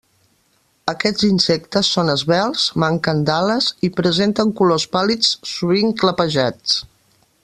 Aquests insectes són esvelts, manquen d'ales, i presenten colors pàl·lids, sovint clapejats.